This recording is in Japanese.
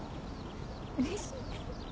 うれしい。